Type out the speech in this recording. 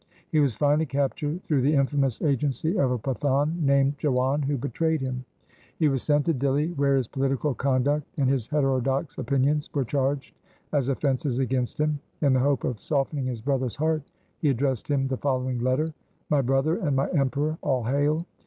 He was finally captured through the infamous agency of a Pathan named Jiwan who betrayed him. He was sent to Dihli, where his political conduct and his heterodox opinions were charged as offences against him. In the hope of softening his brother's heart he addressed him the following letter :—' My brother and my emperor, all hail